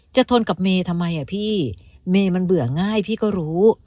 ทนกับเมย์ทำไมอ่ะพี่เมย์มันเบื่อง่ายพี่ก็รู้